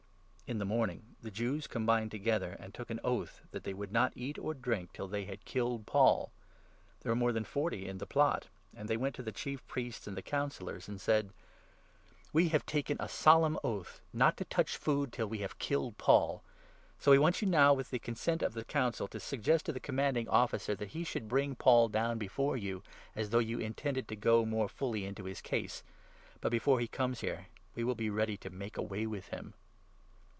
The Plot 1° the morning the Jews combined together, 12 against Paul, and took an oath that they would not eat or drink till they had killed Paul. There were more than forty in the 13 plot ; and they went to the Chief Priests and the Councillors, 14 and said :" We have taken a solemn oath not to touch food till we have killed Paul. So we want you now, with the consent of the 15 Council, to suggest to the Commanding Officer that he should bring Paul down before you, as though you intended to go more fully into his case ; but, before he comes here, we will be ready to make away with him."